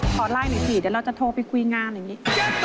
ขอไลน์หน่อยสิเดี๋ยวเราจะโทรไปคุยงานอย่างนี้